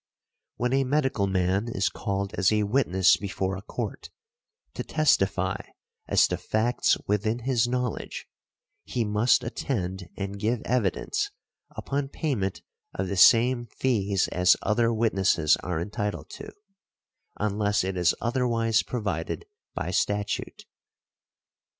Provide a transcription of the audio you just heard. When a medical man is called as a witness before a court, to testify as to facts within his knowledge, he must attend and give evidence upon payment of the same fees as other witnesses are entitled to; unless it is otherwise provided by statute.